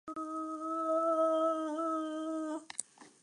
開封できます